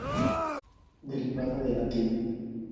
Deriva del latín.